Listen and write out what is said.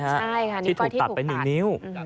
ใช่ค่ะนิ้วก้อยที่ถูกตัดที่ถูกตัดเป็นหนึ่งนิ้ว